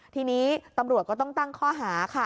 ทีนี้ตำรวจก็ต้องตั้งข้อหาค่ะ